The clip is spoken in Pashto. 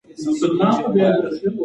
انا خپل تسبیح په لاس کې نیولې وه.